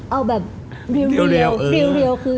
เอาแบบเรียว